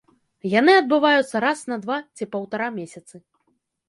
Яны адбываюцца раз на два ці паўтара месяцы.